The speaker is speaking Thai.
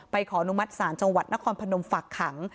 ขออนุมัติศาลจังหวัดนครพนมฝากขัง